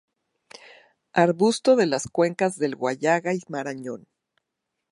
Arbusto de las cuencas del Huallaga y Marañón.